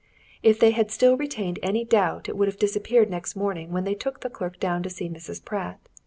If they had still retained any doubt it would have disappeared next morning when they took the clerk down to see Mrs. Pratt.